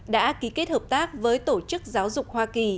đã ký kết hợp tác với tổ chức giáo dục hoa kỳ